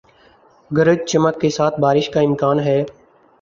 گرج چمک کے ساتھ بارش کا امکان ہے